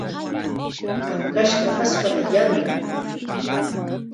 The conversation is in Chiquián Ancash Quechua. Ankashqa aawasta yanuy.